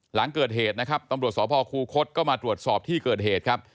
หลังเกิดเหตุนะครับตำรวจสพคูคศก็มาตรวจสอบที่เกิดเหตุครับ